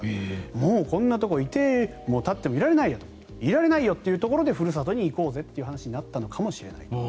もうこんなところにいても立ってもいられないよということでふるさとに行こうぜという話になったのかもしれない。